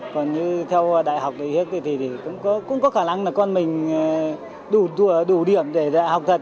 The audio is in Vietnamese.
còn như theo đại học thì cũng có khả năng là con mình đủ điểm để học thật